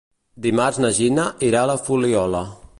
Dimarts na Gina irà a la Fuliola.